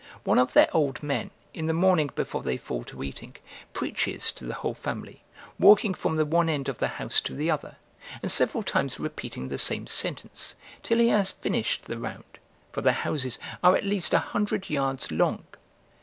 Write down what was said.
One of their old men, in the morning before they fall to eating, preaches to the whole family, walking from the one end of the house to the other, and several times repeating the same sentence, till he has finished the round, for their houses are at least a hundred yards long.